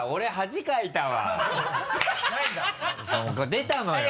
出たのよ。